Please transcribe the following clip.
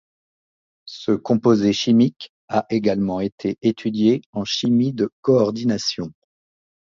Ce composé chimique a également été étudié en chimie de coordination.